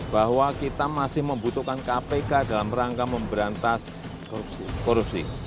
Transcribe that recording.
bahwa kita masih membutuhkan kpk dalam rangka memberantas korupsi